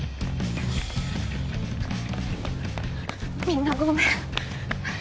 みんなごめん。